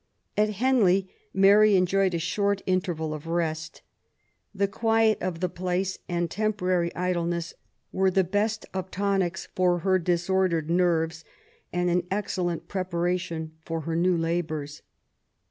At Henley Mary enjoyed a short interval of rest. The quiet of the place and temporary idleness were the beat of tonics for her disordered nerves, and an excellent preparation for her new labours.